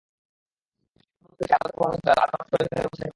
মিথ্যা মামলার বিষয়টি আদালতে প্রমাণিত হলে আদালত প্রয়োজনীয় ব্যবস্থা নিতে পারেন।